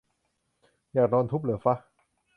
อยากโดนทุบเหรอฟะ